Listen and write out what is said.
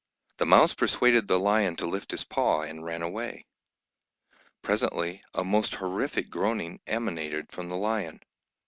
The mouse persuaded the lion to lift his paw, and ran away. Presently a most horrific groaning emanated from the lion.